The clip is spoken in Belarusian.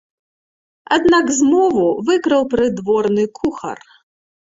Аднак змову выкрыў прыдворны кухар.